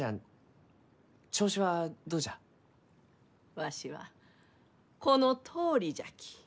わしはこのとおりじゃき。